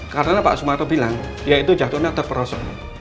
karena pak sumarno bilang dia itu jatuhnya terperosot